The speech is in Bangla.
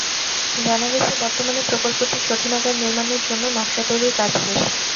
জানা গেছে, বর্তমানে প্রকল্পটির শোধনাগার নির্মাণের জন্য নকশা তৈরির কাজ শেষ।